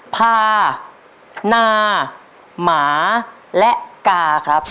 พานาหมาและกา